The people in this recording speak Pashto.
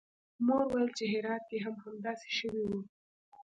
مور ویل چې هرات کې هم همداسې شوي وو